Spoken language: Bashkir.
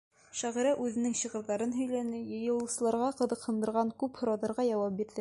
Шағирә үҙенең шиғырҙарын һөйләне, йыйылыусыларҙы ҡыҙыҡһындырған күп һорауҙарға яуап бирҙе.